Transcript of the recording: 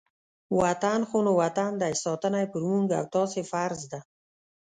وطن خو نو وطن دی، ساتنه یې په موږ او تاسې فرض ده.